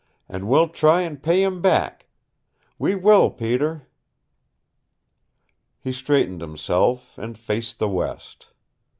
And we'll try and pay Him back. We will, Peter!" He straightened himself, and faced the west.